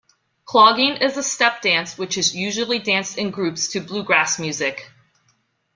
Clogging is a step dance which is usually danced in groups to bluegrass music.